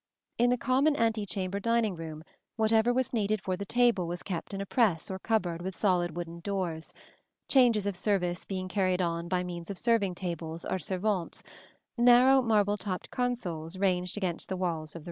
In the common antechamber dining room, whatever was needed for the table was kept in a press or cupboard with solid wooden doors; changes of service being carried on by means of serving tables, or servantes narrow marble topped consoles ranged against the walls of the room.